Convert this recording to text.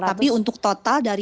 tapi untuk total dari